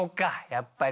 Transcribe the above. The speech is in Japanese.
やっぱり。